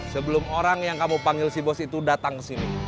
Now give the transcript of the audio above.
sebelum orang yang kamu panggil si bos itu datang ke sini